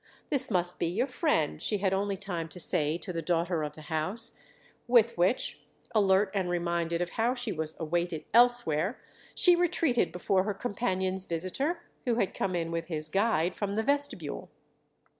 "This must be your friend," she had only time to say to the daughter of the house; with which, alert and reminded of how she was awaited elsewhere, she retreated before her companion's visitor, who had come in with his guide from the vestibule.